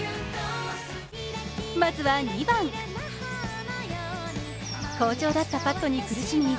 まずは２番、好調だったパットに苦しみ